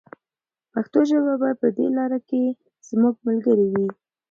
پښتو ژبه به په دې لاره کې زموږ ملګرې وي.